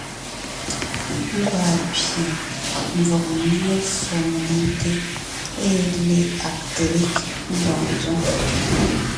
Gwaa pye ḿvɔg ńnéŋe ffo melumte ée le Agtelig ńdɔg ńzoŋ.